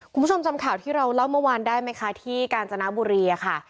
คุณผู้ชมจำข่าวที่เราเล่าเมื่อวานได้ไหมคะที่กาญจนบุรีค่ะ